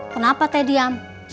kenapa teh diam